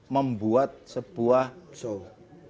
membuat sebuah pertunjukan